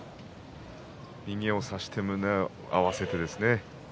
右を差して胸を合わせてですね